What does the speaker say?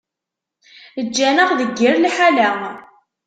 Ǧǧan-aɣ deg yir liḥala.